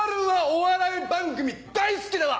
お笑い番組大好きだわ！